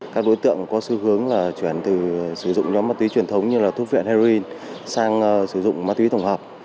các đối tượng có xu hướng là chuyển từ sử dụng nhóm ma túy truyền thống như là thuốc viện heroin sang sử dụng ma túy tổng hợp